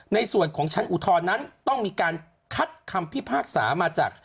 ในส่วนของชั้นอุทธรณ์นั้นต้องมีการคัดคำพิพากษามาจาก